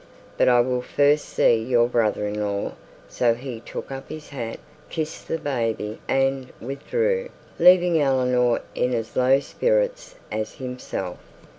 But I will first see your brother in law.' So he took up his hat, kissed the baby, and withdrew, leaving Eleanor in as low spirits as himself.